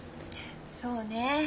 そうねえ。